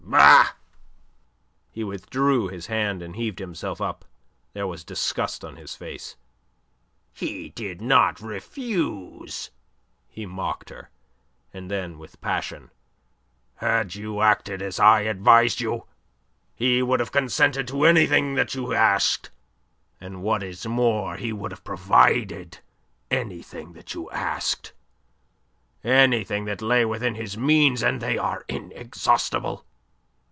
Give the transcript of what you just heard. "Bah!" He withdrew his hand, and heaved himself up. There was disgust on his face. "He did not refuse!" he mocked her; and then with passion: "Had you acted as I advised you, he would have consented to anything that you asked, and what is more he would have provided anything that you asked anything that lay within his means, and they are inexhaustible.